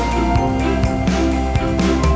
gió hướng đông nam bộ